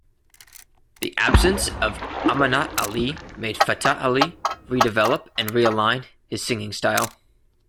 The absence of Amanat Ali made Fateh Ali redevelop and re-align his singing style.